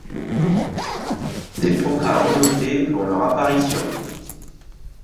Des programmes annotés font leur apparition.